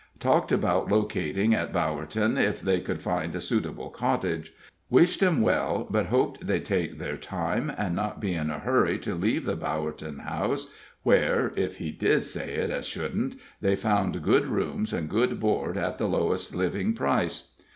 Talked about locating at Bowerton if they could find a suitable cottage. Wished 'em well, but hoped they'd take their time, and not be in a hurry to leave the Bowerton House, where if he did say it as shouldn't they found good rooms and good board at the lowest living price.